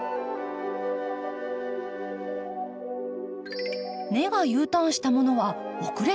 根がＵターンしたものは遅れて出てきました。